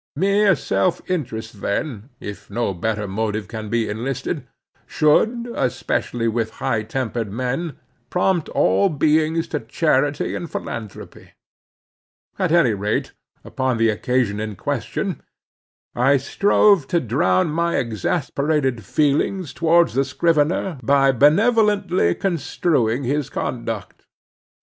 Mere self interest, then, if no better motive can be enlisted, should, especially with high tempered men, prompt all beings to charity and philanthropy. At any rate, upon the occasion in question, I strove to drown my exasperated feelings towards the scrivener by benevolently construing his conduct.